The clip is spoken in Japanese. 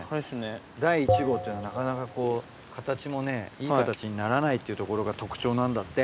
第一号っていうのはなかなかこう形もねいい形にならないっていうところが特徴なんだって。